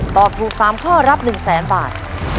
ตอบถูก๓ข้อรับ๑๐๐๐๐๐บาท